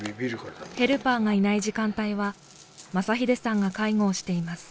ヘルパーがいない時間帯は雅英さんが介護をしています。